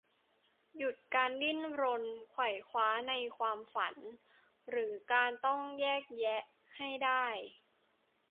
หยุดการดิ้นรนไขว่คว้าในความฝัน หรือการต้องแยกแยะให้ได้